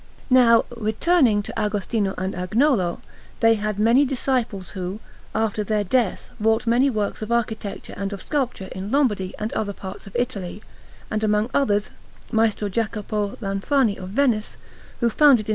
Now, returning to Agostino and Agnolo: they had many disciples who, after their death, wrought many works of architecture and of sculpture in Lombardy and other parts of Italy, and among others Maestro Jacopo Lanfrani of Venice, who founded S.